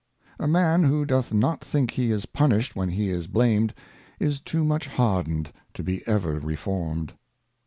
Shame. A MAN who doth not think he is punished when he is blamed, is too much hardened to be ever reformed.